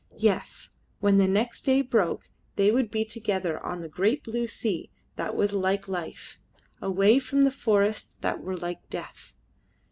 Yes, when the next day broke, they would be together on the great blue sea that was like life away from the forests that were like death.